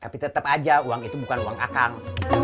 tapi tetap aja uang itu bukan uang akang